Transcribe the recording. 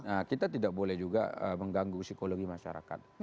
nah kita tidak boleh juga mengganggu psikologi masyarakat